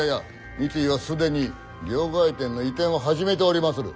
三井は既に両替店の移転を始めておりまする。